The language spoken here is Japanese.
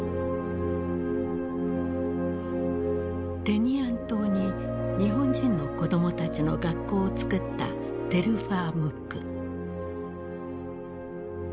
テニアン島に日本人の子供たちの学校を作ったテルファー・ムック。